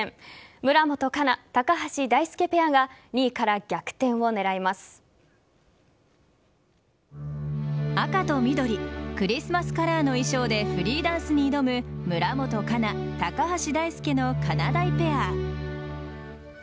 村元哉中・高橋大輔ペアが赤と緑クリスマスカラーの衣装でフリーダンスに挑む村元哉中・高橋大輔のかなだいペア。